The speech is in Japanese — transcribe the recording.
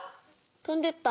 飛んでいった。